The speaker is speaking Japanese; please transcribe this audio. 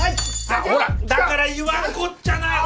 ほらだから言わんこっちゃない。